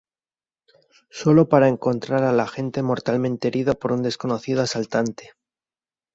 Solo para encontrar al agente mortalmente herido por un desconocido asaltante.